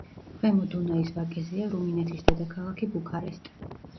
ქვემო დუნაის ვაკეზეა რუმინეთის დედაქალაქი ბუქარესტი.